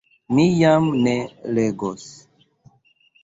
Mi jam ne legos,...